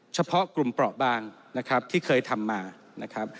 เฉพาะกลุ่มเปราะบางนะครับที่เคยทำมานะครับ